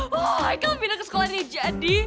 wah ikan pindah ke sekolah ini jadi